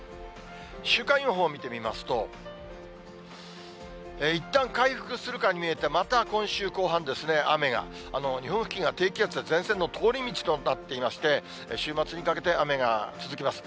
週間予報を見てみますと、いったん回復するかに見えて、また今週後半ですね、雨が、日本付近が低気圧や前線の通り道となっていまして、週末にかけて、雨が続きます。